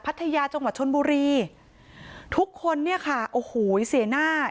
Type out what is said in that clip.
ยาจังหวัดชนบุรีทุกคนเนี่ยค่ะโอ้โหเสียหน้า